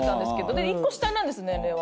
で１個下なんです年齢は。